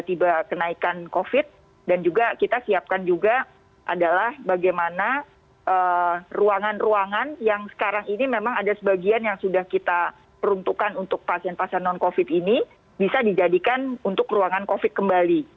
tiba kenaikan covid dan juga kita siapkan juga adalah bagaimana ruangan ruangan yang sekarang ini memang ada sebagian yang sudah kita peruntukkan untuk pasien pasien non covid ini bisa dijadikan untuk ruangan covid kembali